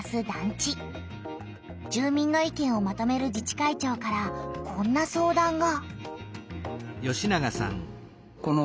住みんの意見をまとめる自治会長からこんな相談が。